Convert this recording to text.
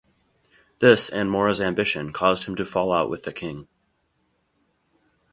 This and Maura's ambition caused him to fall out with the King.